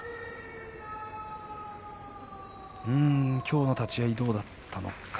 きょうの立ち合いどうだったのか